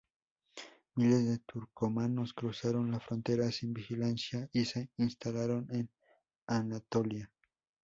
Miles de turcomanos cruzaron la frontera sin vigilancia y se instalaron en Anatolia.